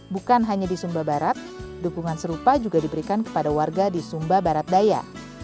bukan hanya di sumba barat dukungan serupa juga diberikan kepada warga di sumba barat daya